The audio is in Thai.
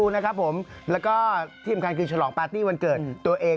นะครับผมแล้วก็ที่สำคัญคือฉลองปาร์ตี้วันเกิดตัวเอง